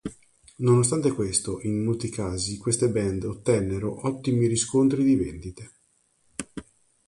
Nonostante questo, in molti casi queste band ottennero ottimi riscontri di vendite.